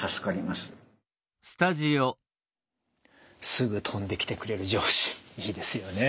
すぐ飛んできてくれる上司いいですよね。